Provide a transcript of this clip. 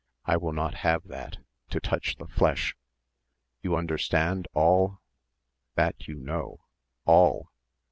"I will not have that! To touch the flesh! You understand, all! That you know. All!